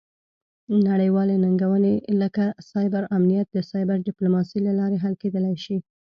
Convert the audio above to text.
نړیوالې ننګونې لکه سایبر امنیت د سایبر ډیپلوماسي له لارې حل کیدی شي